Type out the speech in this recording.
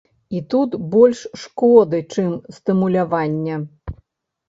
І тут больш шкоды, чым стымулявання.